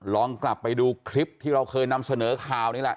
ลองกลับไปดูคลิปที่เราเคยนำเสนอข่าวนี่แหละ